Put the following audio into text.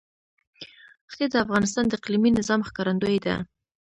ښتې د افغانستان د اقلیمي نظام ښکارندوی ده.